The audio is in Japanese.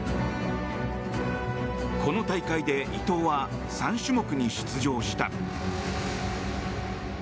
この大会で伊藤は３種目に出場した。